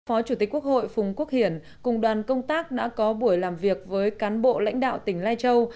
phó chủ tịch quốc hội phùng quốc hiển cùng đoàn công tác đã có buổi làm việc với cán bộ lãnh đạo tỉnh lai châu